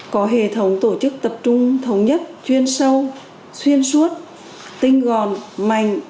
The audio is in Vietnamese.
có hệ thống tổ chức tập trung thống nhất chuyên sâu xuyên suốt tinh gọn mạnh